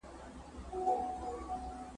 څه د اوس او څه زړې دي پخوانۍ دي ,